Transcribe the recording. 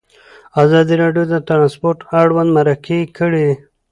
ازادي راډیو د ترانسپورټ اړوند مرکې کړي.